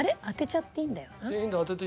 当てちゃっていいんだよな？